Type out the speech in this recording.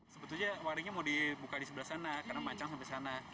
sebetulnya waringnya mau dibuka di sebelah sana karena mancang sampai sana